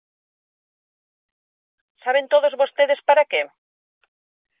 ¿Saben todos vostedes para que?